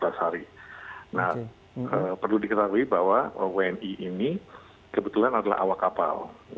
nah perlu diketahui bahwa wni ini kebetulan adalah awak kapal